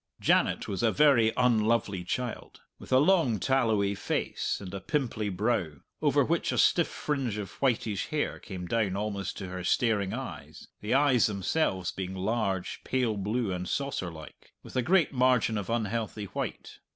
Janet was a very unlovely child, with a long, tallowy face and a pimply brow, over which a stiff fringe of whitish hair came down almost to her staring eyes, the eyes themselves being large, pale blue, and saucer like, with a great margin of unhealthy white.